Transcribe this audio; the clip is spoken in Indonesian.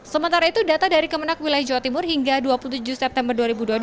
sementara itu data dari kemenang wilayah jawa timur hingga dua puluh tujuh september dua ribu dua puluh